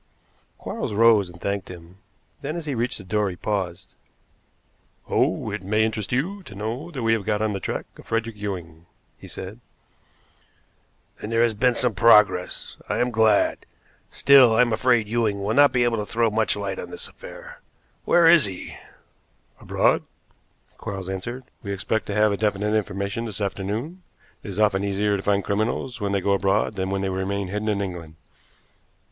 Quarles rose, and thanked him; then, as he reached the door, he paused. "Oh, it may interest you to know that we have got on the track of Frederick Ewing," he said. "Then there has been some progress. I am glad. Still, I am afraid Ewing will not be able to throw much light on this affair. Where is he?" "Abroad," Quarles answered. "We expect to have definite information this afternoon. It is often easier to find criminals when they go abroad than when they remain hidden in England."